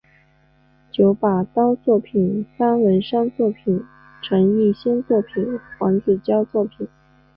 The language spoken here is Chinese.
九把刀作品方文山作品陈奕先作品黄子佼作品